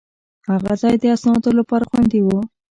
هغه ځای د اسنادو لپاره خوندي و.